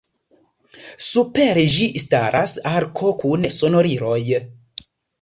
Super ĝi staras arko kun sonoriloj.